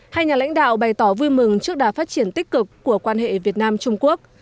hai nhà lãnh đạo bày tỏ vui mừng trước đà phát triển tích cực của quan hệ việt nam trung quốc